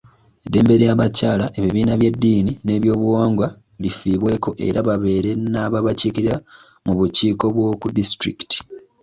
Eddembe ly’abakyala, ebibiina by’eddini n’ebyobuwangwa lifiibweko era babeere n’ababakiikirira mu bukiiko bw’oku disitulikiti.